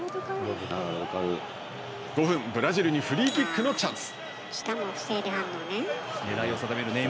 ５分、ブラジルにフリーキックのチャンス。